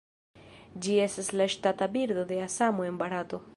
Ĝi estas la ŝtata birdo de Asamo en Barato.